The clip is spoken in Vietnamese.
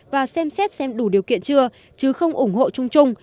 và xem xét xem đủ điều kiện chưa chứ không ủng hộ chung chung